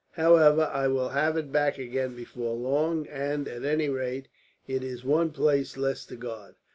However, I will have it back again before long and, at any rate, it is one place less to guard.